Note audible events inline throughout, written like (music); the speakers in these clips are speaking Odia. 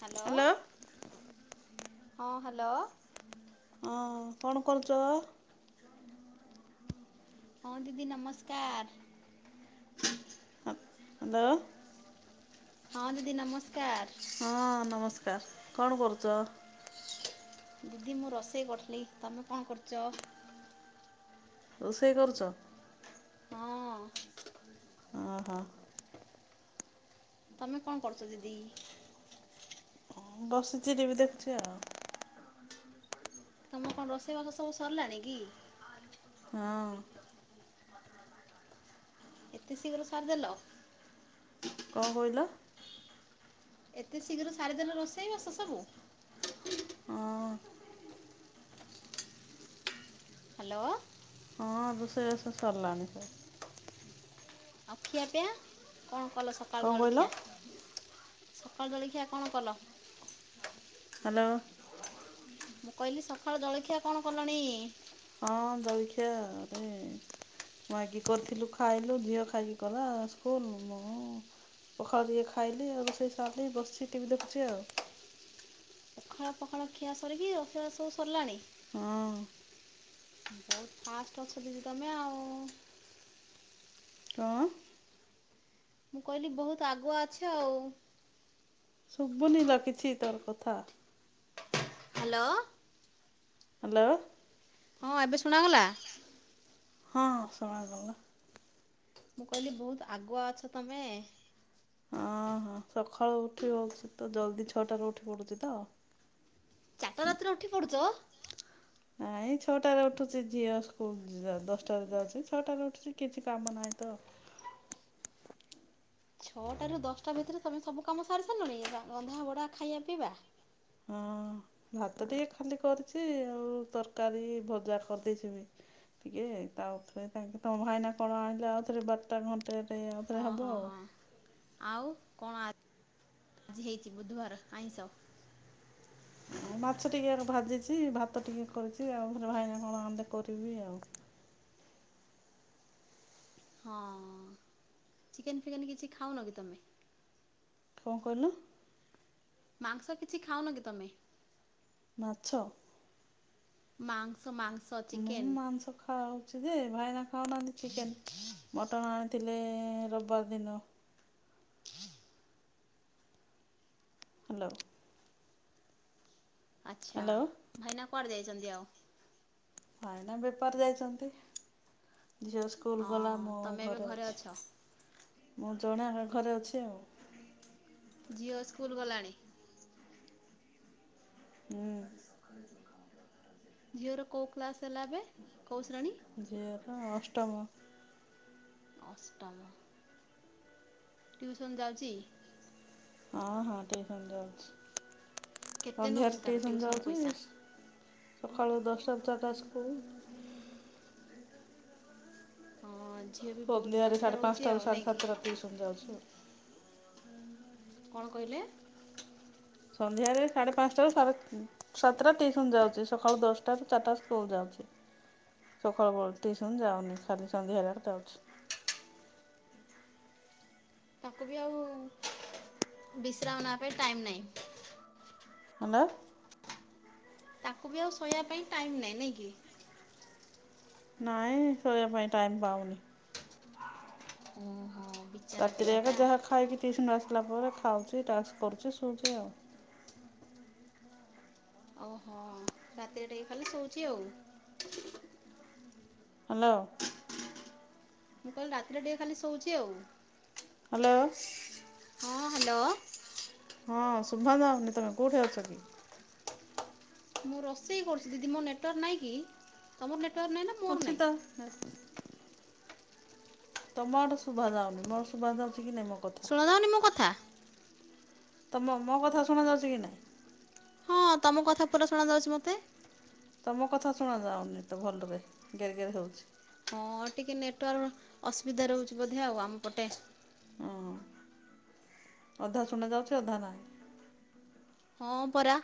ହ୍ୟାଲୋ ହଁ ହ୍ୟାଲୋ। ଅଁ କଣ କରୁଛ? ହଁ ଦିଦି ନମସ୍କାର। ହାଲୋ। ହଁ ଦିଦି ନମସ୍କାର। ହଁ ନମସ୍କାର। କଣ କରୁଛ? ଦିଦି ମୁଁ ରୋଷେଇ କରିଥିଲି। ତମେ କଣ କରୁଛ? ରୋଷେଇ କରୁଛ? ହଁ। ଅହ। ତମେ କଣ କରୁଛ ଦିଦି? ବସିଛି ଟିଭି ଦେଖୁଛି ଆଉ। ତମ କଣ ରୋଷେଇବାସ ସବୁ ସରିଲାଣି କି? ହଁ। ଏତେ ଶୀଘ୍ର ସାରିଦେଲ। କଣ କହିଲ? ଏତେ ଶୀଘ୍ର ସାରିଦେଲ ରୋଷେଇବାସ ସବୁ। ହଁ। ହ୍ୟାଲୋ। ହଁ ରୋଷେଇ ବାସ ସରିଲାଣି। ଆଉ ଖିଆପିଆ କଣ କଲ କଣ ସକାଳୁ କହିଲ? ଜଳିଖିଆ? ସକାଳୁ ଜଳିଖିଆ କଣ କଲ? ହାଲୋ। ମୁଁ କହିଲି ସକାଳୁ ଜଳଖିଆ କଣ କଲଣି? ହଁ ଜଳିଖିଆ କଲିନି। ମାଗି କରିଥିଲୁ ଖାଇଲୁ ଝିଅ ଖାଇକି ଗଲା ସ୍କୁଲ ହଁ। ପଖାଳ ଯୁଡେ ଖାଇଲି ଆଉ ରୋଷେଇ ସାରିଲି ବସିଛି ଟିଭି ଦେଖୁଛି ଆଉ। ପଖାଳ ପଖାଳ ଖିଆ ସରିକି ରୋଷେଇ ବାସ ସବୁ ସରିଲାଣି। ହଁ। ବହୁତ ଫାଷ୍ଟ ଅଛ ଦିଦି ତମେ ଆଉ। କଣ? ମୁଁ କହିଲି ବୋହୁତ ଆଗୁଆ ଅଛ ଆଉ। ଶୁଭୁନି ଲୋ କିଛି ତୋର କଥା। ହାଲୋ। ହାଲୋ। ହଁ ଏବେ ଶୁଣାଗଲା। ହଁ ହଁ ଶୁଣାଗଲା। ମୁଁ କହିଲି ବହୁତ ଆଗୁଆ ଅଛ ତମେ। ହଁ ହଁ ସଖାଳୁ ଉଠି ପଡୁଛି ତ ଜଲଦି ଛଅଟାରୁ ଉଠି ପଡ଼ୁଛି ତ। ଚାରିଟା ରାତିରୁ ଉଠି ପଡୁଛ? ନାଇଁ ଛଅଟାରେ ଉଠୁଛି ଝିଅ ସ୍କୁଲ ଦଶଟାରେ ଯାଉଛି। ଛଅଟାରେ ଉଠୁଛି କିଛି କାମ ନାହିଁ ତ। ଛଅଟାରୁ ଦଶଟା ଭିତରେ ତମେ ସବୁ କାମ ସାରି ସାରିଲଣି ରନ୍ଧା ବଢା ଖାଇବା ପିଇବା। ହଁ ଭାତ ଟିକେ ଖାଲି କରିଛି ଆଉ ତରକାରୀ ଭଜା କରିଦେଇଛି। ଟିକେ ତାରେ ତାଙ୍କେ ତମ ଭାଇନା କଣ ଆଣିଲେ ଆଉଥରେ ବାରଟା ଘଣ୍ଟା (unintelligible) ହଁ ହଁ ହଁ ଆଉ କଣ ଆଜି ହେଇଛି ବୁଧବାର ଆଇଁଷ? ଆଉ ମାଛ ଟିକେ ଭାଜିଛି ଭାତ ଟିକେ କରିଛି ଆଉ ଘରେ ଭାଇନା କଣ ଆଣିଲେ କରିବି ଆଉ। ହଁ ଚିକେନ୍ ଫିକେନ୍ କିଛି ଖାଉନ କି ତମେ? କଣ କହିଲ? ମାଂସ କିଛି ଖାଉନ କି ତମେ? ମାଛ? ମାଂସ ମାଂସ। ମୁଁ ଚିକେନ ମାଂସ ଖାଉଛି ଯେ ଭାଇନା ଖାଉ ଖାଉନାହାନ୍ତି ଚିକେନ୍। ମଟନ ଆଣିଥିଲେ ରବିବାର ଦିନ। (inaudible) ହାଲୋ। ଆଛା ହ୍ୟାଲୋ ଭାଇନା କୁଆଡେ ଯାଇଛନ୍ତି ଆଉ। ଭାଇନା ବେପାର ଯାଇଛନ୍ତି, ଝିଅ ସ୍କୁଲ ଗଲା ହଁ ମୁଁ ତମେ ଏବେ ଘରେ ଅଛି। ଅଛ ମୁଁ ଜଣେ ଘରେ ଅଛି ଆଉ। ଝିଅ ସ୍କୁଲ ଗଲାଣି? ହୁଁ। ଝିଅର କୋଉ କ୍ଲାସ ହେଲା ଏବେ କୋଉ ଶ୍ରେଣୀ? ଝିଅର ଅଷ୍ଟମ। ଅଷ୍ଟମ। ଟିଉସନ୍ ଯାଉଛି? ହଁ ହଁ ଟିଉସନ୍ ଯାଉଛି କେତେ ନେଉଛି ସନ୍ଧ୍ୟାରେ ତାର ଟିଉସନ ଟିଉସନ୍ ପଇସା ଯାଉଛି। ସକାଳୁ ଦଶଟାରୁ ଚାରିଟା ସ୍କୁଲ। ହଁ ଝିଅ ବି ବହୁତ ସନ୍ଧ୍ୟାରେ ବ୍ୟସ୍ତ ସାଢ଼େ ରହୁଛି ଆଉ ପାଞ୍ଚଟାରୁ ସାଢ଼େ ନାଇକି ସାତଟା ଟିଉସନ୍ ଯାଉଛି ଆଉ। କଣ କହିଲେ? ସନ୍ଧ୍ୟାରେ ସାଢ଼େ ପାଞ୍ଚଟାରୁ ସାଢେ ସାତଟା ଟିଉସନ ଯାଉଛି ସକାଳୁ ଦଶଟାରୁ ଚାରିଟା ସ୍କୁଲ ଯାଉଛି। ସକାଳବେଳୁ ଟିଉସନ୍ ଯାଉନି ଖାଲି ସନ୍ଧ୍ୟା ବେଳ ଆଡେ ଯାଉଛି। ତାକୁ ବି ଆଉ ବିଶ୍ରାମ ନବା ପାଇଁ ଟାଇମ ନାହିଁ। ହାଲୋ। ତାକୁ ବି ଆଉ ଶୋଇବା ପାଇଁ ଟାଇମ୍ ନାହିଁ ନାଇଁ କି? ନାଇଁ ଶୋଇବା ପାଇଁ ଟାଇମ୍ ପାଉନି। ଓ ହଁ ପି ରାତିରେ ଏକା ଯାହା ଖାଇକି ତିଶନ୍ ଆସିଲା ପରେ ଖାଉଛି ଟାସ୍ କରୁଛି ସୋଉଛି ଆଉ। ଓହୋ ରାତିରେ ଟା ଖାଲି ଶୋଉଛି ଆଉ। ହ୍ୟାଲୋ। ମୁଁ କହିଲି ରାତିରେ ଟିକେ ଖାଲି ଶୋଉଛି ଆଉ। ହ୍ୟାଲୋ। ହଁ ହ୍ୟାଲୋ। ହଁ ଶୁଭା ଯାଉନି ତମେ କୋଉଠି ଅଛ କି? ମୁଁ ରୋଷେଇ କରୁଛି ଦିଦି ମୋ ନେଟୱାର୍କ ନାହିଁ କି, ତମର ନେଟୱାର୍କ ନାହିଁ ନା ମୋର ନାହିଁ? ସ ହଶ ତମ ଆଡେ ଶୁଭା ଯାଉନି ମୋର ଶୁଭା ଯାଉଛି କି ନାଇଁ ମୋ କ ଶୁଣା ଯାଉନି ମୋ କଥା? ତମ ମୋ କଥା ଶୁଣାଯାଉଛି କି ନାହିଁ? ହଁ ତମ କଥା ପୁରା ଶୁଣାଯାଉଛି ମତେ। ତମ କଥା ଶୁଣାଯାଉନି ତ ଭଲରେ, ଗେର ଗେର ହଉଛି। ହଁ, ଟିକେ ନେଟୱାର୍କ ଅସୁବିଧା ରହୁଛି ବୋଧେ, ଆଉ ଆମ ପଟେ। ହଁ, ଅଧା ଶୁଣା ଯାଉଛି, ଅଧା ନାହିଁ। ହଁ, ପରା।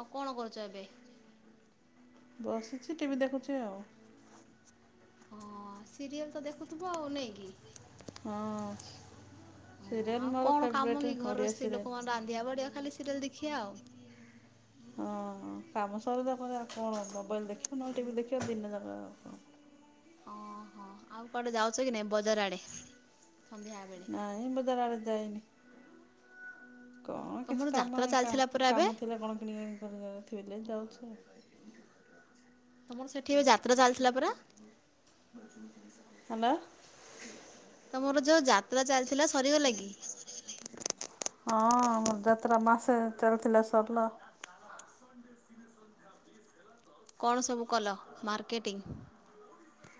ଆଉ କଣ କରୁଛ ଏବେ? ବସିଛି, ଟିଭି ଦେଖୁଛି ଆଉ। ହଁ-ଅ, ସିରିଏଲ୍ ତ ଦେଖୁଥିବ, ଆଉ ନାଇ କି? ହଁ, ହଁ ସିରିଏଲ୍ ଆଉ ମୋର କଣ କାମ ଫେବରେଟ୍, କି ଘରର ଓଡ଼ିଆ ସ୍ତ୍ରୀ ସିରିଏଲ୍। ଲୋକମାନେ ରାନ୍ଧିବା, ବାଢ଼ିଆ ଖାଲି ସିରିଏଲ୍ ଦେଖିବା ଆଉ। ହଁ, କାମ ସରିଲା ପାରେ ଆଉ କଣ, ମୋବାଇଲ ଦେଖିବ, ନହେଲେ ଟିଭି ଦେଖିବ, ଦିନଯାକ ଆଉ କଣ। ହଁ, ହଁ, ଆଉ କୁଆଡେ ଯାଉଛ କି ନାଇ, ବଜାର ଆଡେ ସନ୍ଧ୍ୟା ବେଳେ? ନାଇଁ, ବଜାର ଆଡ଼େ ଯାଇନି। କଣ, କିଛି ତମର କାମ ଯାତ୍ରା ଏକା ଚାଲିଥିଲା ପରା ଏବେ କାମ ଥିଲା, କଣ କିଣିକରି ଥୋଇଦେଲି, ଯାଉଛି ଆଉ। ତମର ସେଠି ଏଵେ ଯାତ୍ରା ଚାଲିଥିଲା ପରା? ହଁ, ବା। ତମର ଯୋଉ ଯାତ୍ରା ଚାଲିଥିଲା, ସରିଗଲା କି? ହଁ, ଆମର ଯାତ୍ରା ମାସେ ଚାଲିଥିଲା, ସରିଲା। କଣ ସବୁ କଲ ମାର୍କେଟିଂ?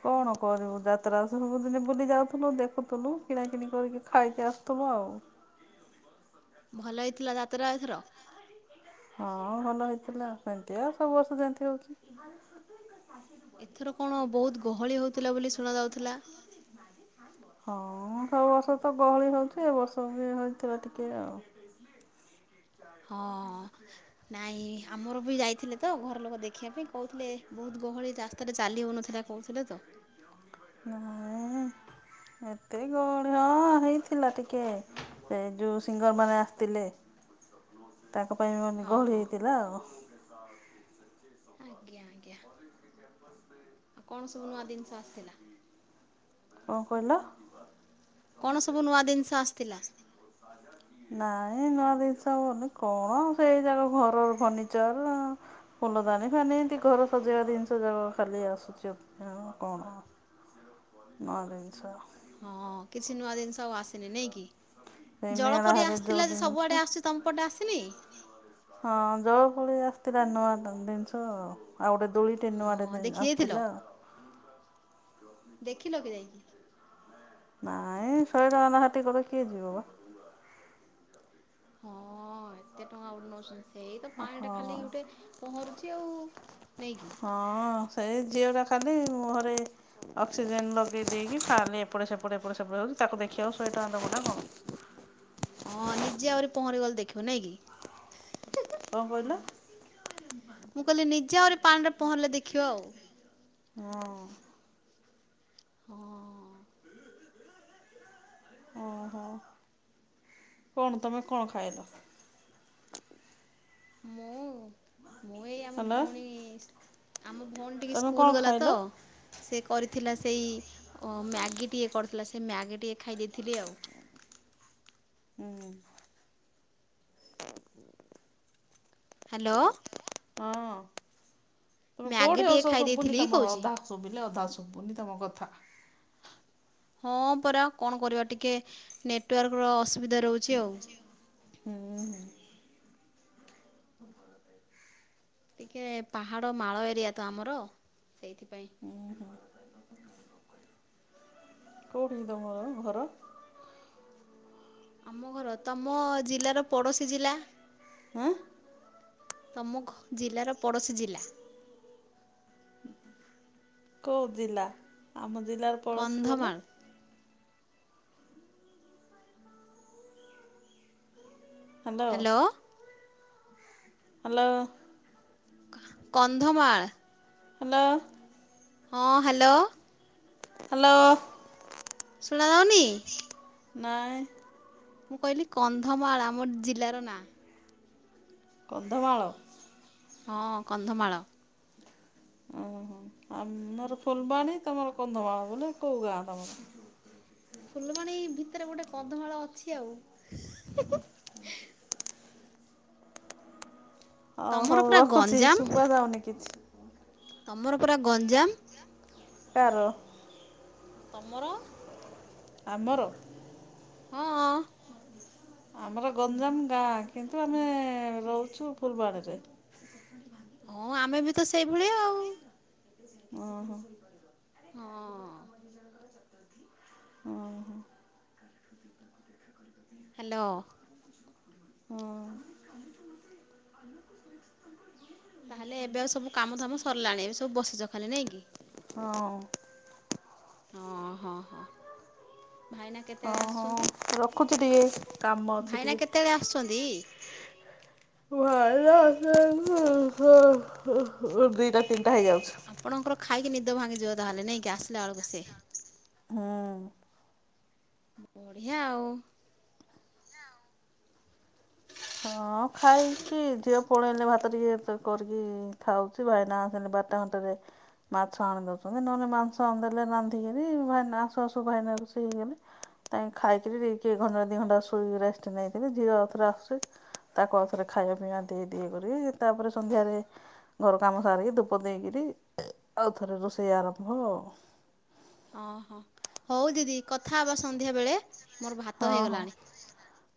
କଣ କରିବୁ, ଯାତ୍ରା ସ ସବୁ ଦିନେ ବୁଲି ଯାଉଥିଲୁ, ଦେଖୁଥିଲୁ, କିଣାକିଣି କରିକି, ଖାଇକି ଆସୁଥିଲୁ ଆଉ। ଭଲ ହେଇଥିଲା ଯାତ୍ରା ଏଥର ହଁ, ଭଲ ହେଇଥିଲା ସେମିତି, ଆଉ ସବୁ ବର୍ଷ ଯେମତି ହଉଛି। ଏଥର କଣ ବହୁତ ଗହଳି ହଉଥିଲା ବୋଲି ଶୁଣ ଯାଉଥିଲା? ହଁ-ଅ, ସବୁ ବର୍ଷ ତ ଗହଳି ହଉଛି, ଏ ବର୍ଷ ବି ହେଇଥିବ ଟିକଏ ଆଉ। ହଁ-ଅ। ନାଇଁ, ଆମର ବି ଯାଇଥିଲେ ତ, ଘର ଲୋକ ଦେଖିବା ପାଇଁ କହୁଥିଲେ, ବହୁତ ଗହଳି ରା ରାସ୍ତାରେ ଚାଲି ହଉନଥିଲା କହୁଥିଲେ ତ। ନା-ଆ-ଇଁ ଏ, ତେ ଗହଳି ହଁ, ହେଇଥିଲା ଟିକେ। ସେ ଯୋଉ ସିଙ୍ଗର ମାନେ ଆସିଥିଲେ, ତାଙ୍କ ପାଇଁ ମାନେ ହଁ ଗହଳି ହଁ ହେଇଥିଲା ଆଉ। ଆଜ୍ଞା, ଆଜ୍ଞା, ଆଉ କଣ ସବୁ ନୂଆ ଜିନିଷ ଆସିଥିଲା? କଣ କହିଲ? କଣ ସବୁ ନୂଆ ଜିନିଷ ଆସିଥିଲା? ନାଇଁ, ନୂଆ ଜିନିଷ ଆଉ କଣ, ସେଇ ଯାକ ଘରର ଫର୍ଣିିଚର ଫୁଲଦାନୀ-ଫାନୀ, ଏମିତି ଘର ସଜେଇବା ଜିନିଷଜାକ ଖାଲି ଆସୁଛି ଆଉ। କଣ। (inaudible) ନୂଆ ଜିନିଷ। ହଁ, କିଛି ନୂଆ ଜିନିଷ ଆଉ ଆସିନି, ନାଇଁ କି? ସେଇ ଜଳ ମେଳା ପରି ହେଲେ ଯୋଉ ଆସିଥିଲା ଯେ, ସବୁଆଡ଼େ ଜିନିଷ ଆସୁଛି, ତମପଟେ ଆସିନି? ହଁ, ଜଳ ପଳେଇ ଆସିଥିଲା, ନୂଆ ନୂଆ ଜିନିଷ ଆଉ। ଆଉ ଗୋଟେ ଦୋଳିଟେ ନୂଆଟେ ହଁ ଧରି ଦେଖି ଯାଇଥିଲ ଆସୁଥିଲା ଆଉ। ଦେଖିଲ କି ଯାଇକି? ନାଇଁ, ଶହେ ଟଙ୍କା ନଖା ଟିକଟ କିଏ ଯିବ ବା? ହଁ-ଅ-ଅ, ଏତେ ଟଙ୍କା ଉଠ ନଉ ଏଇ ତ ପାଣିଟା ହଁ ଖାଲି ଗୋଟେ ପହଁରୁଛି ଆଉ-ଉ ନାଇଁ କି? ହଁ-ଅ, ସେ ଝିଅଟା ଖାଲି ଘରେ ଅକ୍ସିଜେନ ଲଗେଇ ଦେଇକି ଖାଲି ଏପଟେ ସେପଟେ, ଏପଟେ ସେପଟେ ହଉଛି, ତାକୁ ଦେଖିଆକୁ ଶହେଟଙ୍କା ଦବୁ ନା କଣ? ହଁ ନିଜେ ଆହୁରି ପହଁରି ଗଲେ ଦେଖିବ ନାଇଁ କି? କଣ କହିଲ? ମୁଁ କହିଲି ନିଜେ ଆହୁରି ପାଣିରେ ପହଁରିଲେ ଦେଖିବ ଆଉ। ହଁ ହଁ ଓହୋ କନ ତମେ କଣ ଖାଇଲ? ମୁଁ ମୁଁ ଏଇଆ ଆମ ହ୍ୟାଲୋ ଭଉଣୀ ସି ଆମ ଭଉଣୀ ଟିକେ ତମେ କଣ ସ୍କୁଲ ଗଲା ଖାଇଲ? ତ। ସେ କରିଥିଲା ସେଇ କଅ ମ୍ୟାଗିଟିଏ କରିଥିଲା ସେ ମ୍ୟାଗିଟିିଏ ଖାଇ ଦେଇଥିଲି ଆଉ। ହୁଁ ହ (unintelligible) ହ୍ୟାଲୋ ହଁ ତମେ ମ୍ୟାଗି କୋଉଠି ଟିଏ ଔଷଧ ଖାଇ ଶୁଭୁନି ଦେଇଥିଲି ତମ କହୁଛି ଅଧା ଶୁଭିଲେ ଅଧା ଶୁଭୁନି ତମ କଥା। ହଁ ପରା କଣ କରିବା ଟିକେ ନେଟୱାର୍କ ର ଅସୁବିଧା ରହୁଛି ଆଉ। ହୁଁ ହୁଁ ହ (unintelligible) ଟିକେ ପାହାଡ ମାଳ ଏରିଆ ତ ଆମର ସେଇଥିପାଇଁ ଉଁ ହୁଁ କେଉଠିକି ତମର ଘର? ଆମ ଘର ତମ ଜିଲ୍ଲାର ପଡୋଶୀ ଜିଲ୍ଲା। ଆଁ ତମ ଘ ଜିଲ୍ଲାର ପଡ଼ୋଶୀ ଜିଲ୍ଲା। କେଉ ଜିଲ୍ଲା ଆମ ଜିଲ୍ଲାର ପଡ଼ୋଶୀ ବୋଲେ? Kandhamal hello hello Kandhamal hello ହଁ ହ୍ୟାଲୋ ହ୍ୟାଲୋ ଶୁଣା ଯାଉନି? ନାଁଇ ମୁଁ କହିଲି କନ୍ଧମାଳ ଆମର ଜିଲ୍ଲାର ନାଁ। କନ୍ଧମାଳ ହଁ କନ୍ଧମାଳ ଉଁ ହୁଁ ଆମର ଫୁଲବାଣୀ ତମର କନ୍ଧମାଳ ବୋଲେ କୋଉ ଗାଁ ତମର? ଫୁଲବାଣୀ ଭିତରେ ଗୋଟେ କଧମାଳ ଅଛି ଆଉ ହି ହି। ଅ ତମର ହଉ ପୁରା ରଖୁଛି ଗଞ୍ଜାମ ଶୁଭ ଯାଉନି କିଛି ତମର ପୁରା ଗଞ୍ଜାମ? କାର ତମର ଆମର ହଁ ଅ ଆମର ଗଞ୍ଜାମ ଗାଁ କିନ୍ତୁ ଆମେ ରହୁଛୁ ଫୁଲବାଣୀରେ। ହଁ ଆମେ ବି ତ ସେଇଭଳିଆ ଆଉ। ଉଁ ହୁଁ ହଁ ଓଁହ ହାଲୋ ହଁ ତାହେଲେ ଏବେ ଆଉ ସବୁ କାମଧାମ ସରିଲାଣି ଏବେ ସବୁ ବସିଛ ଖାଲି ନାଇଁ କି? ହଁ ହଁ ହଁ ହ ଭାଇନା ହଁ କେତେବେଳେ ଆସୁଛନ୍ତି ହଁ ରଖୁଛି ଟିକେ କାମ ଅଛି ଭାଇନା ଟିକେ କେତେବେଳେ ଆସୁଛନ୍ତି (inaudible) ଦିଟା ତିନିଟା ହେଇଯାଉଛି ଆପଣଙ୍କର ଖାଇକି ନିଦ ଭାଙ୍ଗିଯିବ ତା ହେଲେ ନାଇକି ଆସିଲା ବେଳକୁ ସେ। ହୁଁ ବଢିଆ ଆଉ। ହଁ ଖାଇକି ଝିଅ ପଳେଇଲେ ଭାତ ଟିକେ କରିକି ଖାଉଛି। ଭାଇନା ଆସନ୍ତି ବାରଟା ଗୋଟେରେ। ମାଛ ଆଣି ଦଉଛନ୍ତି ନହେଲେ ମାଂସ ଆଣି ଦେଲେ ରାନ୍ଧିକରି ଭାଇନା ଆସୁ ଆସୁ ଭାଇନା ରୋଷେଇ ହେଇଗଲେ। କାଇଁ ଖାଇକିରିି ଘଣ୍ଟା ଦି ଘଣ୍ଟା ଶୋଇ ରେଷ୍ଟ ନେଇଥିଲି ଝିଅ ଆଉଥରେ ଆସୁଛି ତାକୁ ଆଉଥରେ ଖାଇବା ପିଇବା ଦେଇ ଦେଇି କରି ତାପରେ ସନ୍ଧ୍ୟାରେ ଘର କାମ ସାରିକି ଧୂପ ଦେଇକିରି ଆଉ ଥରେ ରୋଷେଇ ଆରମ୍ଭ ଆଉ। ଅ ହଁ ହଉ ଦିଦି। କଥା ହେବା ସନ୍ଧ୍ୟା ବେଳେ ମୋର ଭାତ ହଁ ହଁ ହେଇଗଲାଣି।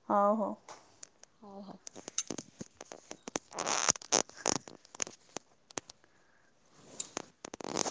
ହଉ ହଉ। ଓ ହ (inaudible)